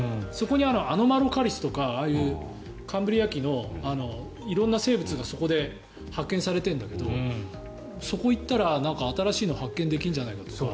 アノマロカリスとかカンブリア紀の色んな生物がそこで発見されているんだけどそこへ行ったら新しいのが発見できるんじゃないかとか。